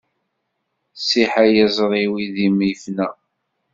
Siḥ ay iẓri idim ifna.